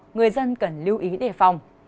người dân cần lưu ý đề phòng